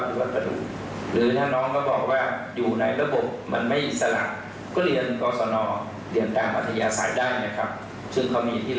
แต่ผมก็ต้องบอกว่าการก้าวร้าวหรือการทำโดยสติยังคิดไม่มี